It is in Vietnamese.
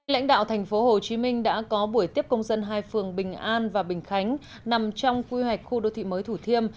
lãnh đạo tp hcm đã có buổi tiếp công dân hai phường bình an và bình khánh nằm trong quy hoạch khu đô thị mới thủ thiêm